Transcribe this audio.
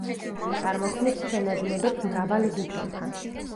ტიტანი წარმოქმნის შენადნობებს მრავალ ლითონთან.